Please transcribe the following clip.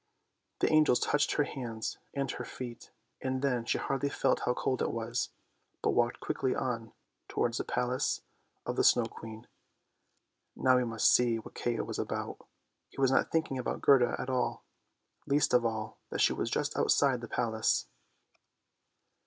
The angels touched her hands and her feet, and then she hardly felt how cold it was, but walked quickly on towards the Palace of the Snow Queen. Now we must see what Kay was about. He was not think ing about Gerda at all, least of all that she was just outside the Palace.